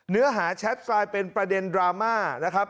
เนื้อหาแชทกลายเป็นประเด็นดราม่านะครับ